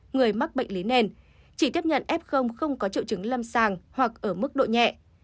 người mắc bệnh lý nền chỉ tiếp nhận f không có triệu chứng lâm sàng hoặc ở mức độ nhẹ